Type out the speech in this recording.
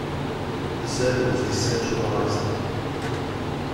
The server was decentralized.